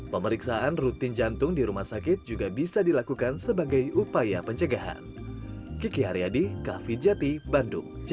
pemeriksaan rutin jantung di rumah sakit juga bisa dilakukan sebagai upaya pencegahan